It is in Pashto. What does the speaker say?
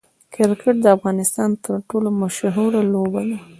کرکټ د افغانستان تر ټولو مشهوره لوبه ده.